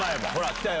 来たよ